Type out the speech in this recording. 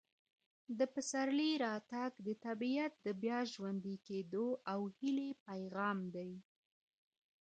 د پسرلي راتګ د طبیعت د بیا ژوندي کېدو او هیلې پیغام دی.